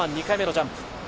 ２回目のジャンプ。